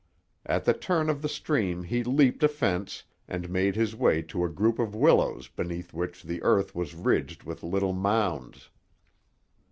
At the turn of the stream he leaped a fence, and made his way to a group of willows beneath which the earth was ridged with little mounds.